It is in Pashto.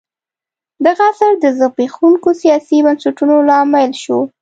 دغه عصر د زبېښونکو سیاسي بنسټونو لامل شو.